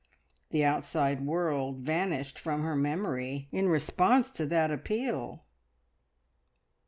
The outside world vanished from her memory in response to that appeal.